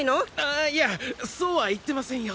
あいやそうは言ってませんよ。